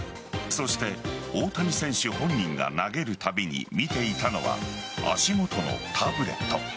そして大谷選手本人が投げるたびに見ていたのは足元のタブレット。